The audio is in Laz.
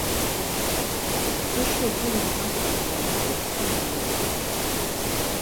Heşo guris nafarfalu do şuri moiğu.